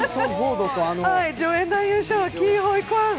助演男優賞、キー・ホイ・クァン。